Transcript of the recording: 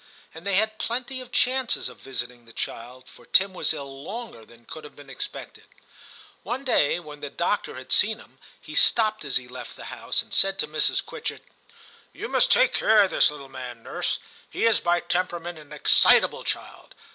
And they had plenty of chances of visiting the child, for Tim was ill longer than could have been expected. One day, when the doctor '^ had seen him, he stopped as he left the house and said to Mrs. Quitchett, ' You must take care of this little man, nurse ; he is by tem perament an excitable child.